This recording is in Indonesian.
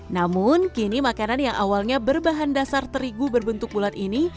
namun kini makanan yang awalnya berbahan dasar terigu berbentuk bulat ini